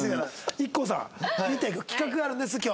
ＩＫＫＯさん見ていく企画があるんです今日。